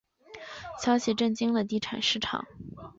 消息震惊了地产市场。